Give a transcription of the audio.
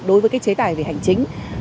đối với cái chế tài về hành chính